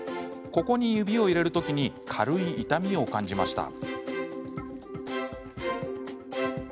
ここに指を入れるときに軽い痛みを感じました。